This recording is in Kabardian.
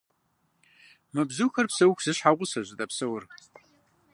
Мы бзухэр псэуху зы щхьэгъусэщ зыдэпсэур.